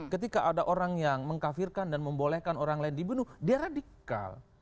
ketika ada orang yang mengkafirkan dan membolehkan orang lain dibunuh dia radikal